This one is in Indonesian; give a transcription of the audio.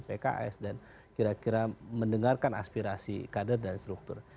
pks dan kira kira mendengarkan aspirasi kader dan struktur